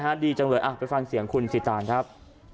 เห็นมั้ยอ่ะดีจังเลยอ่ะไปฟังเสียงคุณสิตาวน์ครับ